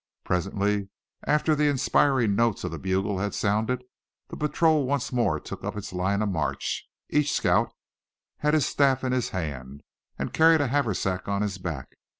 Presently, after the inspiring notes of the bugle had sounded, the patrol once more took up its line of march. Each scout had his staff in his hand, and carried a haversack on his back.